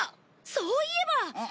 そういえば！